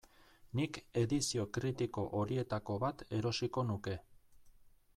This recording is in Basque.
Nik edizio kritiko horietako bat erosiko nuke.